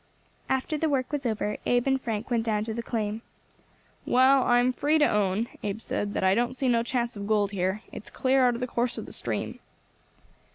After the work was over Abe and Frank went down to the claim. "Well, I am free to own," Abe said, "that I don't see no chance of gold here; it's clear out of the course of the stream."